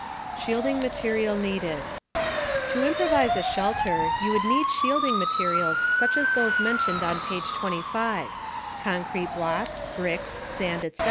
SHIELDING MATERIAL NEEDED To improvise a shelter you would need shielding materials such as those mentioned on page 25 concrete blocks, bricks, sand, etc.